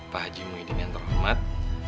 pak haji muhyiddin yang terhormat